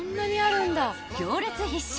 ［行列必至！